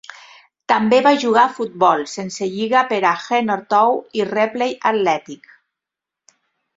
També va jugar a futbol sense lliga per a Heanor Town i Ripley Athletic.